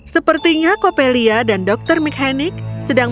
sepertinya copelia dan dr mchennig sedang mendiskusikan sesuatu